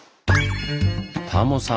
タモさん